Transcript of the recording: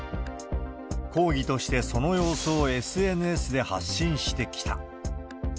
抗議として、その様子をＳＮＳで発信してきた。